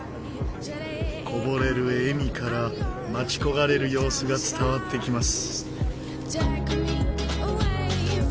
こぼれる笑みから待ち焦がれる様子が伝わってきます。